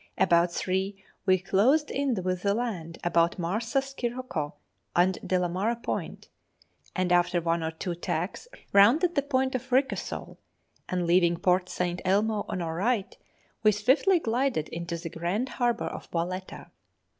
About three we closed in with the land about Marsa Scirocco and Delamara Point, and, after one or two tacks, rounded the Point of Ricasole, and leaving Port St. Elmo on our right, we swiftly glided into the grand harbour of Valetta.